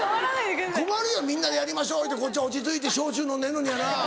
みんなでやりましょう言うてこっちは落ち着いて焼酎飲んでんのにやな。